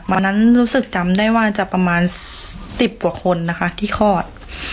รู้สึกจำได้ว่าจะประมาณ๑๐กว่าคนนะคะที่คลอด